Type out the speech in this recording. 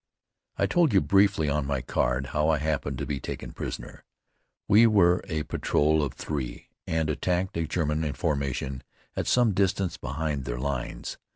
I told you briefly, on my card, how I happened to be taken prisoner. We were a patrol of three and attacked a German formation at some distance behind their lines.